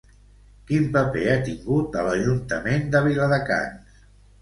Quin paper ha tingut a l'Ajuntament de Viladecans?